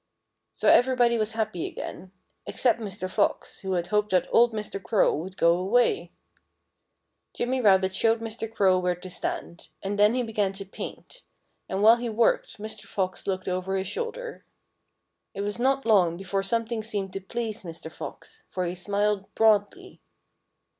So everybody was happy again except Mr. Fox, who had hoped that old Mr. Crow would go away. Jimmy Rabbit showed Mr. Crow where to stand. And then he began to paint. And while he worked, Mr. Fox looked over his shoulder. It was not long before something seemed to please Mr. Fox, for he smiled broadly.